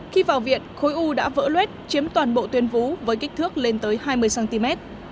khi vào viện khối u đã vỡ luết chiếm toàn bộ tuyên vú với kích thước lên tới hai mươi cm